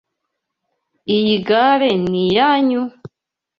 Iyi gare niyanyu?